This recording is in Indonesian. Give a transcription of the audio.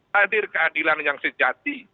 hadir keadilan yang sejati